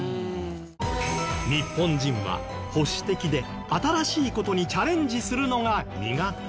日本人は保守的で新しい事にチャレンジするのが苦手